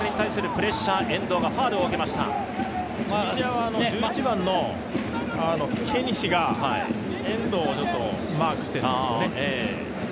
チュニジアは１１番のケニシが遠藤をマークしてるんですよ。